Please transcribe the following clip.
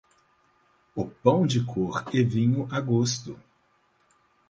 O pão de cor e vinho a gosto.